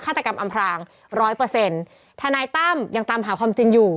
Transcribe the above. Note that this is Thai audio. ตกรรมอำพรางร้อยเปอร์เซ็นต์ทนายตั้มยังตามหาความจริงอยู่